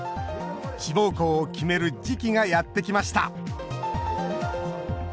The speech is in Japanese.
志望校を決める時期がやってきました。